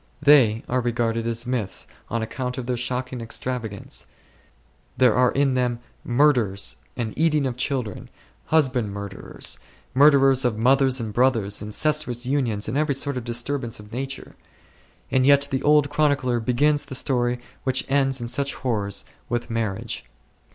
They are regarded as myths on account of their shocking extravagance ; there are in them murders and eating of children, husband murders, murders of mothers and brothers, incestuous unions, and every sort of disturbance of nature ; and yet the old chronicler begins the story which ends in such horrors with marriage.